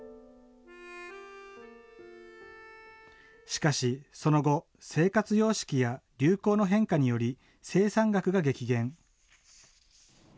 しかし、その後、生活様式や流行の変化により、生産額が激減。